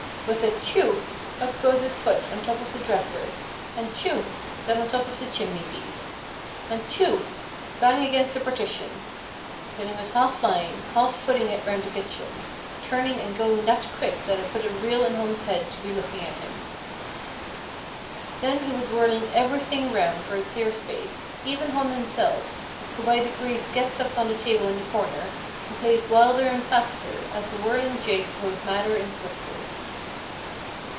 With a 'Chu!' up goes his foot on top of the dresser, and 'Chu!' then on top of the chimney piece, and 'Chu!' bang against the partition; then he was half flying, half footing it round the kitchen, turning and going that quick that it put a reel in Hom's head to be looking at him. Then he was whirling everything round for a clear space, even Hom himself, who by degrees gets up on the table in the corner, and plays wilder and faster, as the whirling jig grows madder and swifter.